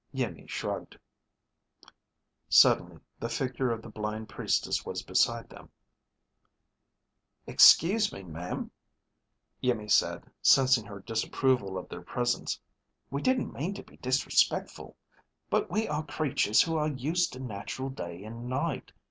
Iimmi shrugged. Suddenly, the figure of the blind Priestess was beside them. "Excuse me, ma'am," Iimmi said, sensing her disapproval of their presence, "we didn't mean to be disrespectful, but we are creatures who are used to natural day and night.